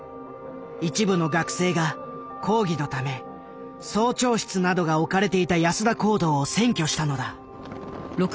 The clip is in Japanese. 一部の学生が抗議のため総長室などが置かれていた安田講堂を占拠したのだ。